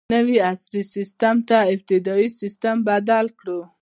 نوي عصري سیسټم ته ابتدايي سیسټم بدل کړو.